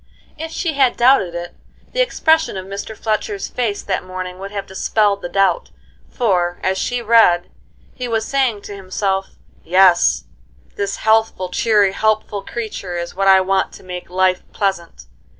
If she had doubted it, the expression of Mr. Fletcher's face that morning would have dispelled the doubt, for, as she read, he was saying to himself: "Yes, this healthful, cheery, helpful creature is what I want to make life pleasant.